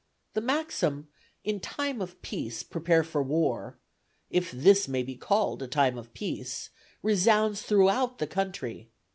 The maxim 'In time of peace prepare for war' (if this may be called a time of peace) resounds throughout the country.